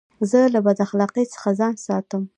زه له بداخلاقۍ څخه ځان ساتم.